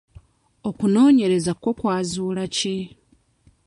Okunoonyereza kwo kwazula ki?